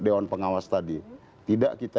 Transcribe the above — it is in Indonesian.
dewan pengawas tadi tidak kita